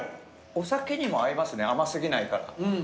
お酒にも合いますね甘過ぎないから。